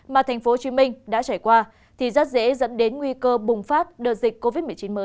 mà thành phố hồ chí minh đã trải qua thì rất dễ dẫn đến nguy cơ bùng phát đợt dịch covid một mươi chín mới